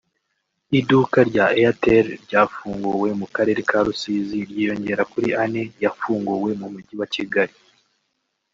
Iduka rya Airtel ryafunguwe mu karere ka Rusizi ryiyongera kuri ane yafunguwe mu mujyi wa Kigali